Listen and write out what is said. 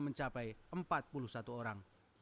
mencapai empat puluh satu orang